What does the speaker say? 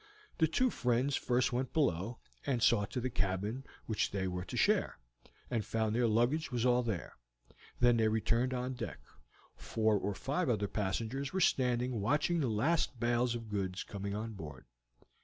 The two friends first went below, and saw to the cabin which they were to share, and found their luggage was all there. Then they returned on deck. Four or five other passengers were standing watching the last bales of goods coming on board.